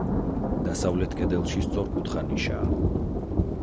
დასავლეთ კედელში სწორკუთხა ნიშაა.